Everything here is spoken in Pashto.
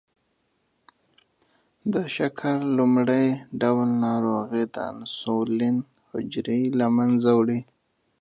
د شکر لومړی ډول ناروغي د انسولین حجرې له منځه وړي.